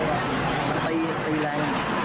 ก็อีกโลยเนี่ยนะคือสภาพอีกโลย